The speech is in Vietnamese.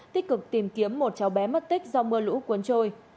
tích cực tìm kiếm một cháu bé mất tích do mưa lũ cuốn trôi